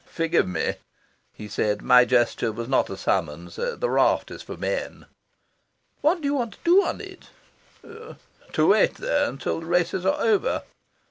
"Forgive me," he said, "my gesture was not a summons. The raft is for men." "What do you want to do on it?" "To wait there till the races are over."